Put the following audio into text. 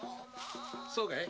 そうかい。